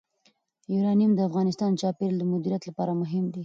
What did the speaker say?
یورانیم د افغانستان د چاپیریال د مدیریت لپاره مهم دي.